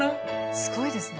すごいですね。